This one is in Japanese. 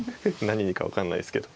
何にか分かんないですけど。